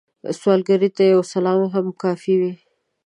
سوالګر ته یو سلام هم کافی وي